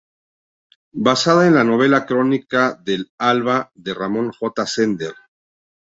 Basada en la novela "Crónica del alba", de Ramón J. Sender.